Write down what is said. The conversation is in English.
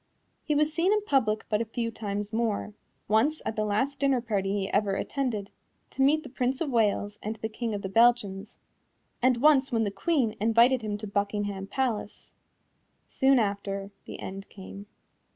He was seen in public but a few times more once at the last dinner party he ever attended, to meet the Prince of Wales and the King of the Belgians, and once when the Queen invited him to Buckingham Palace. Soon after, the end came.